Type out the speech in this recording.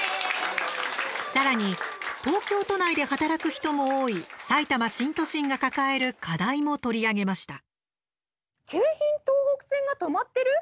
さらに、東京都内で働く人も多いさいたま新都心が抱える課題も取り上げました。